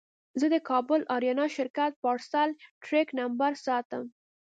زه د کابل اریانا شرکت پارسل ټرېک نمبر ساتم.